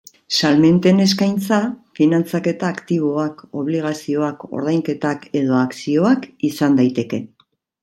Salmenten eskaintza finantzaketa-aktiboak, obligazioak, ordainketak edo akzioak izan daiteke.